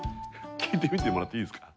聞いてみてもらっていいですか。